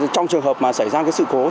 trong trường hợp xảy ra sự cố